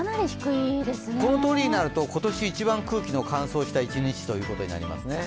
このとおりになると今年一番空気の乾燥した一日になりますね。